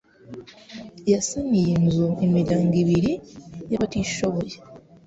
yasaniye inzu imiryango ibiri y'abatishoboye